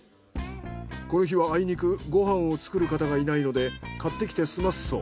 この日はあいにくご飯を作る方がいないので買ってきて済ますそう。